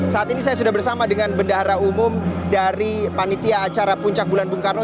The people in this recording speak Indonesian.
saat ini saya sudah bersama dengan bendahara umum dari panitia acara puncak bulan bung karno